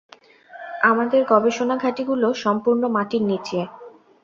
আমাদের গবেষণা ঘাটিগুলো সম্পূর্ণ মাটির নিচে।